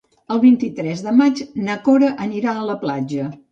El vint-i-tres de maig na Cora anirà a la platja.